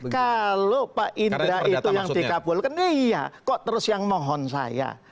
kalau pak indra itu yang dikabulkan ya iya kok terus yang mohon saya